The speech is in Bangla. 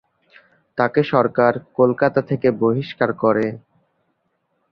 তাকে সরকার কলকাতা থেকে বহিষ্কার করে।